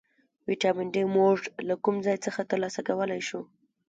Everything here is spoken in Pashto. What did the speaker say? ویټامین ډي موږ له کوم ځای څخه ترلاسه کولی شو